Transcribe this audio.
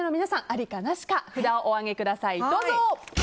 ありか、なしか札をお上げください。